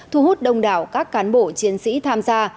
thu hút đông đảo các cán bộ chiến sĩ tham gia